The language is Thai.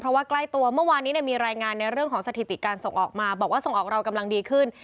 เพราะว่าใกล้ตัวเมื่อวานนี้มีรายงานในเรื่องของสถิติการส่งออกมาบอกว่าส่งออกเรากำลังดีขึ้น